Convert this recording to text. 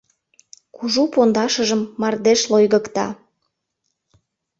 Кужу пондашыжым мардеж лойгыкта.